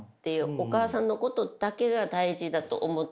お母さんのことだけが大事だと思ってきたから。